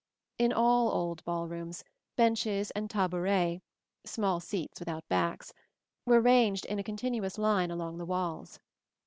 In all old ball rooms, benches and tabourets (small seats without backs) were ranged in a continuous line along the walls.